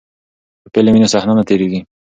که فلم وي نو صحنه نه تیریږي.